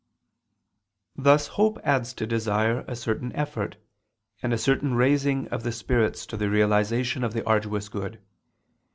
Thus hope adds to desire a certain effort, and a certain raising of the spirits to the realization of the arduous good.